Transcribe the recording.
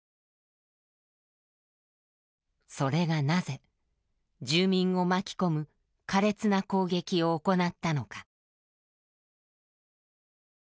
それがなぜ住民を巻き込む苛烈な攻撃を行ったのか。